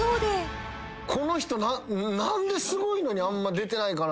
この人何ですごいのにあんま出てないんかなって。